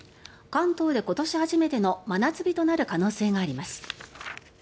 関東で今年初めての真夏日となる可能性があります。